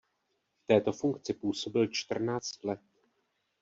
V této funkci působil čtrnáct let.